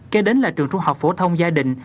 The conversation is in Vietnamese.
kế đến là trường trung học phổ thông gia đình